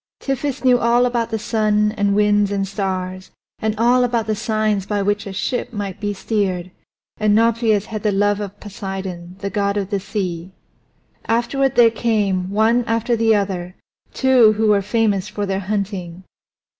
Tiphys knew all about the sun and winds and stars, and all about the signs by which a ship might be steered, and Nauplius had the love of Poseidon, the god of the sea. Afterward there came, one after the other, two who were famous for their hunting.